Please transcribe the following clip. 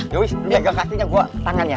wiwis lu pegang kasih nya gua tangan ya